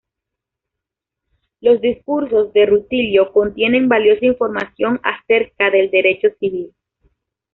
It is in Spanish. Los discursos de Rutilio contienen valiosa información acerca del derecho civil.